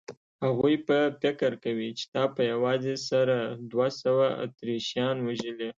هغوی به فکر کوي چې تا په یوازې سره دوه سوه اتریشیان وژلي.